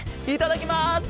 いただきます。